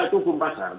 iya itu hukum pasaran